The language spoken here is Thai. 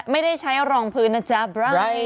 ไม่ได้ใช้รองพื้นนะจ๊ะ